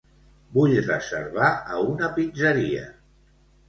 Vull reservar a una pizzeria.